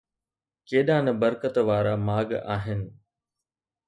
ڪيڏا نه برڪت وارا ماڳ آهن